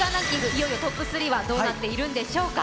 いよいよトップ３はどうなっているんでしょうか。